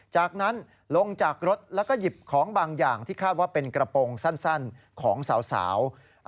จากนั้นลงจากรถแล้วก็หยิบของบางอย่างที่คาดว่าเป็นกระโปรงสั้นของสาว